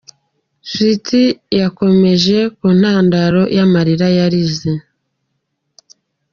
Sweety yakomoje ku ntandaro y'amarira yarize.